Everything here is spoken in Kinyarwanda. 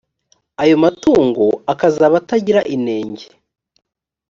ayo matungo akazaba atagira inenge.